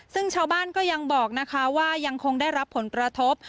ซึ่งชาวบ้านก็ยังบอกนะคะว่ายังคงได้รับผลกระทบ